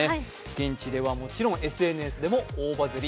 現地ではもちろん、ＳＮＳでも大バズり。